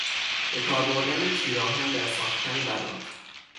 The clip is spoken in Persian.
به کار بردن تیرآهن در ساختن بنا